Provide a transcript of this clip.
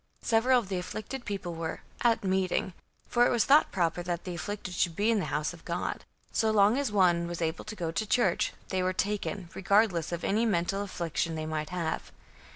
Several of the afflicted people were "at meeting," for it was thought proper that the afflicted should be in the house of God. So long as one was able to go to church, they were taken, regardless of any mental affection they might have.